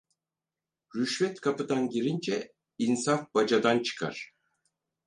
Rüşvet kapıdan girince insaf bacadan çıkar.